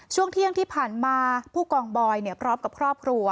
ช่วงเที่ยงที่ผ่านมาผู้กองบอยพร้อมกับครอบครัว